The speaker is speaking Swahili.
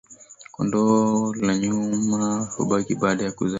Kondo la nyuma kubaki baada ya kuzaa